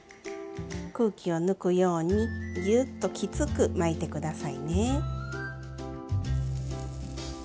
空気を抜くようにギューッときつく巻いて下さいね。